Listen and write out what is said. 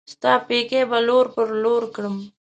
ستا پيکی به لور پر لور کړم